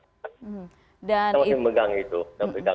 kita masih memegang itu kita berikan